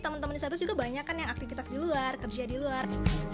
teman teman disabilitas juga banyak kan yang aktivitas di luar kerja di luar